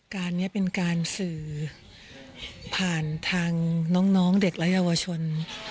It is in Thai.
การนี้เป็นการสื่อผ่านทางน้องเด็กและเยาวชน